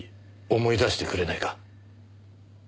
思い出してくれないか？